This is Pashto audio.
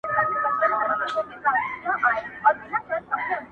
انسانيت له ازموينې تېريږي سخت.